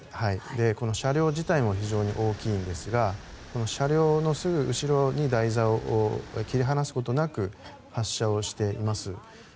車両自体も非常に大きいんですが車両のすぐ後ろに台座を切り離すことなく発射をしています。